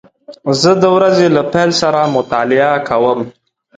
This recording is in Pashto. زه د ورځې له پیل سره مطالعه کوم.